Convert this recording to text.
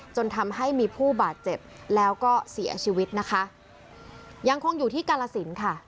จนทำให้มีผู้บาดเจ็บแล้วก็เสียชีวิตนะคะยังคงอยู่ที่กาลสินค่ะ